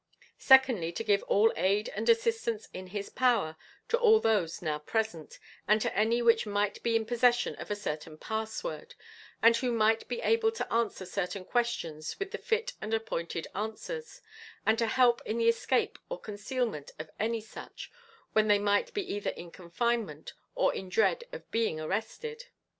Secondly, to give all aid and assistance in his power to all those now present, and to any which might be in possession of a certain pass word, and who might be able to answer certain questions with the fit and appointed answers, and to help in the escape or concealment of any such, when they might be either in confinement, or in dread of being arrested.